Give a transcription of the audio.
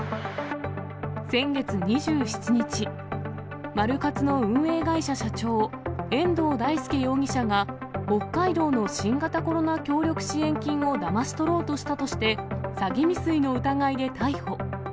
先月２７日、マルカツの運営会社社長、遠藤大介容疑者が、北海道の新型コロナ協力支援金をだまし取ろうとしたとして、詐欺未遂の疑いで逮捕。